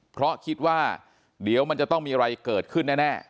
เพราะคิดว่าเดี๋ยวมันจะต้องมีอะไรเกิดขึ้นแน่